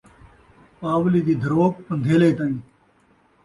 پاولی دی دَھروک پن٘دھیلے تئیں